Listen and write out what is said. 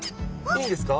いいんですか？